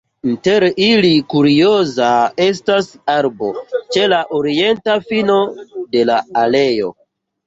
Inter ili kurioza estas arbo ĉe la orienta fino de la aleo.